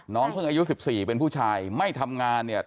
เพิ่งอายุ๑๔เป็นผู้ชายไม่ทำงานเนี่ย